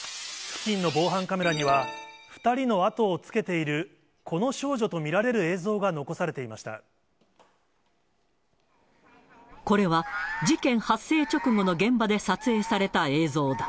付近の防犯カメラには、２人の後をつけている、この少女と見られる映像が残されていましこれは、事件発生直後の現場で撮影された映像だ。